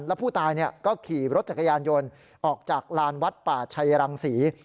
แล้วผู้ตายก็ขี่รถจักรยานยนต์ออกจากลานวัดป่าชัยรังศรี